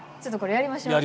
やりましょう。